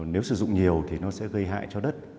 nếu sử dụng nhiều thì nó sẽ gây hại cho đất